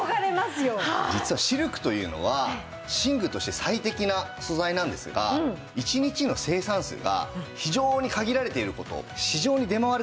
実はシルクというのは寝具として最適な素材なんですが一日の生産数が非常に限られている事市場に出回る数自体